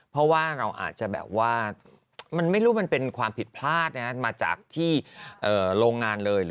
เพราะว่าเราอาจจะแบบว่ามันไม่รู้มันเป็นความผิดพลาดมาจากที่โรงงานเลย